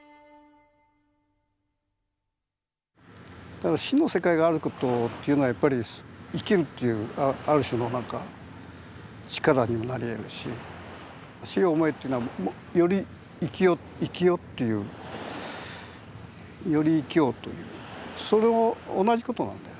だから死の世界があることというのはやっぱり生きるっていうある種の何か力にもなりえるし「死を想え」っていうのはより生きよ生きよっていうより生きようというそれも同じことなんだよ。